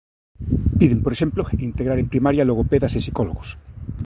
Piden, por exemplo, integrar en primaria logopedas e psicólogos.